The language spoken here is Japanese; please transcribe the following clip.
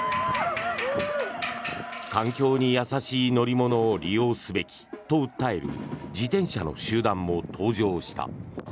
環境に優しい乗り物を利用すべきと訴える自転車の集団も登場した。